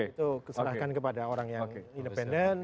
itu serahkan kepada orang yang independen